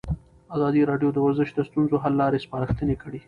ازادي راډیو د ورزش د ستونزو حل لارې سپارښتنې کړي.